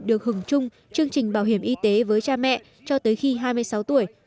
được hưởng chung chương trình bảo hiểm y tế với cha mẹ cho tới khi hai mươi sáu tuổi